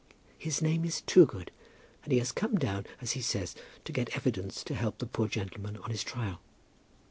His name is Toogood, and he has come down as he says to get evidence to help the poor gentleman on his trial.